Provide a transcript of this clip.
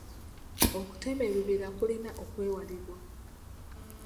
Okutema ebibira kulina okwewalibwa.